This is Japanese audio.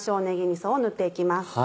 みそを塗って行きます。